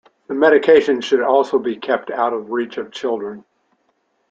The medication should also be kept out of reach of children.